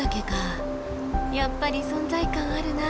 やっぱり存在感あるな。